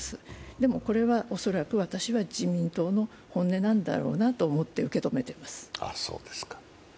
でも、これは恐らく私は自民党の本音なんだろうなと思って受け止めています。